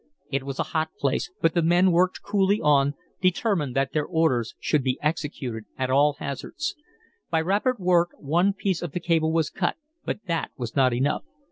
It was a hot place, but the men worked coolly on, determined that their orders should be executed at all hazards. By rapid work one piece of the cable was cut, but that was not enough.